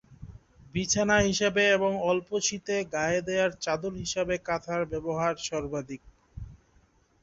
বিছানা হিসেবে এবং অল্প শীতে গায়ে দেয়ার চাদর হিসেবে কাঁথার ব্যবহার সর্বাধিক।